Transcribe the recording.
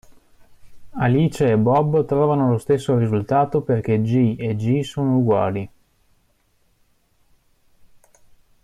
Alice e Bob trovano lo stesso risultato perché "g" e "g" sono uguali.